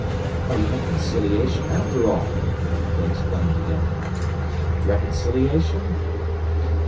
"A reconciliation after all!" they exclaimed together. "Reconciliation?